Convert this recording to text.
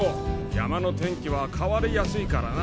山の天気は変わりやすいからな。